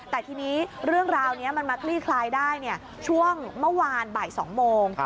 แต่ทีนี้เรื่องราวนี้มันมาคลี่คลายได้ช่วงเมื่อวานบ่าย๒โมง